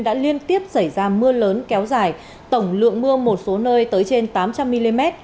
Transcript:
đã liên tiếp xảy ra mưa lớn kéo dài tổng lượng mưa một số nơi tới trên tám trăm linh mm